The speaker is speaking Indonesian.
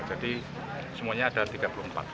jadi semuanya ada tiga puluh empat